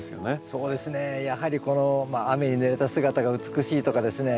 そうですねやはりこの雨にぬれた姿が美しいとかですね